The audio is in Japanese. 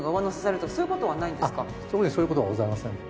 特にそういう事はございません。